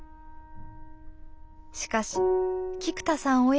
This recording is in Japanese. しかし菊田さん